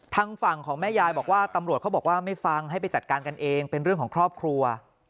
ทางฝั่งของแม่ยายบอกว่าตำรวจเขาบอกว่าไม่ฟังให้ไปจัดการกันเองเป็นเรื่องของครอบครัว